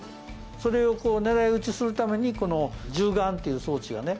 それを、こう狙い撃ちするためにこの銃眼っていう装置がね。